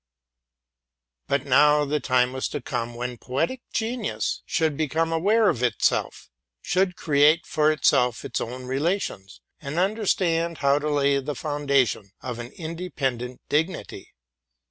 But now the time was to come for poetic genius to become self conscious, to create for itself its own circumstances, and understand how to lay the foundation of an independent dig nity.